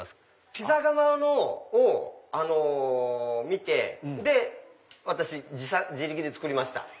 ピザ窯を見て私自力で作りました。